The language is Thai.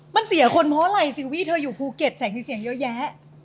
มันเสียคนเพราะอะไรสิวี่เธออยู่ภูเก็ตแสงมีเสียงเยอะแยะ